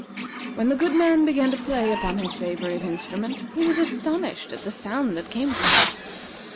When the good man began to play upon his favorite instrument he was astonished at the sound that came from it.